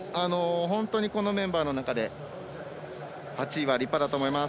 本当にこのメンバーの中で８位は立派だと思います。